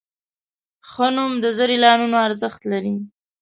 ښه نوم د زر اعلانونو ارزښت لري.